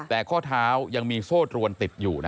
แต่ข้อเท้ายังมีโซ่ตรวนติดอยู่